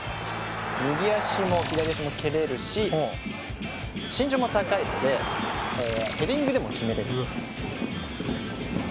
右足も左足も蹴れるし身長も高いのでヘディングでも決めれると。